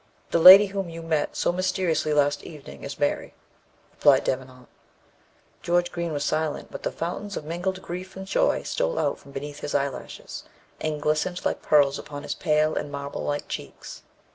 "The lady whom you met so mysteriously last evening is Mary," replied Mr. Devenant. George Green was silent, but the fountains of mingled grief and joy stole out from beneath his eyelashes, and glistened like pearls upon his pale and marble like cheeks.